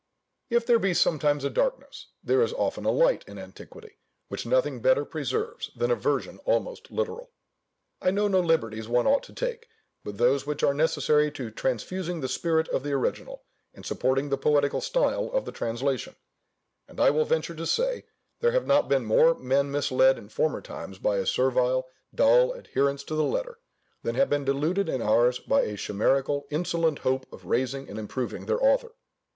If there be sometimes a darkness, there is often a light in antiquity, which nothing better preserves than a version almost literal. I know no liberties one ought to take, but those which are necessary to transfusing the spirit of the original, and supporting the poetical style of the translation: and I will venture to say, there have not been more men misled in former times by a servile, dull adherence to the letter, than have been deluded in ours by a chimerical, insolent hope of raising and improving their author.